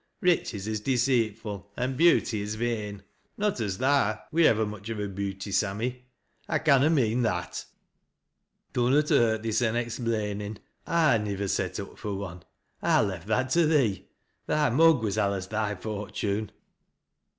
Riches is deceitful an' beauty ii vain — not as tha wur i vver much o' a beauty, Sammy ; 1 canna mean that." "Dannot hurt thysen explainin', I nivver set up fui one. I left that to thee. Thy mug wus alius thy fortune.''